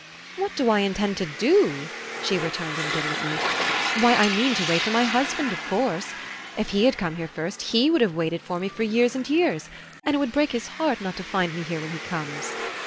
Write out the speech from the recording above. "What do I intend to do?" she returned, indignantly. "Why, I mean to wait for my husband, of course. If he had come here first HE would have waited for me for years and years; and it would break his heart not to find me here when he comes."